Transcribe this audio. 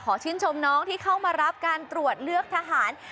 ชื่นชมน้องที่เข้ามารับการตรวจเลือกทหาร